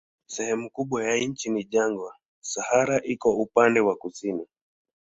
Sehemu kubwa ya nchi ni jangwa, Sahara iko upande wa kusini.